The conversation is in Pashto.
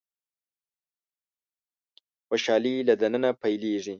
خوشالي له د ننه پيلېږي.